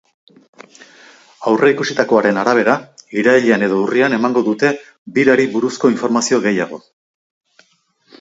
Aurreikusitakoaren arabera, irailean edo urrian emango dute birari buruzko informazio gehiago.